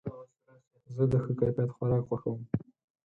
زه د ښه کیفیت خوراک خوښوم.